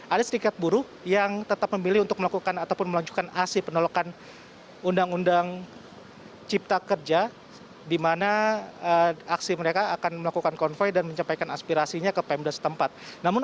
ada serikat buruh yang tetap memilih untuk melakukan ataupun melanjutkan aksi penolakan